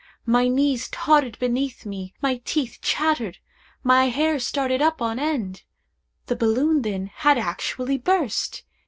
My knees tottered beneath me—my teeth chattered—my hair started up on end. 'The balloon, then, had actually burst!